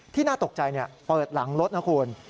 น่าตกใจเปิดหลังรถนะคุณ